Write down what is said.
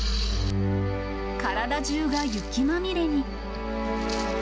体中が雪まみれに。